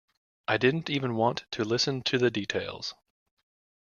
I didn't even want to listen to the details.